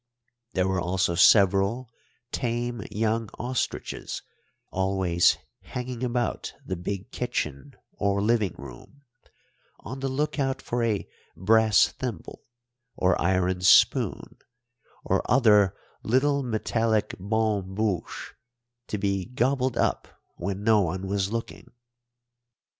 There were also several tame young ostriches, always hanging about the big kitchen or living room on the look out for a brass thimble, or iron spoon, or other little metallic bonne bouche to be gobbled up when no one was looking.